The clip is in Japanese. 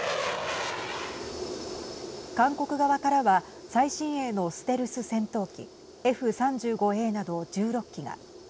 韓国側からは最新鋭のステルス戦闘機Ｆ３５Ａなど１６機が。